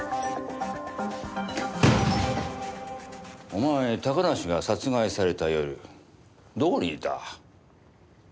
お前高梨が殺害された夜どこにいた？